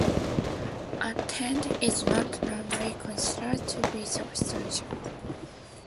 A tent is not normally considered to be substantial.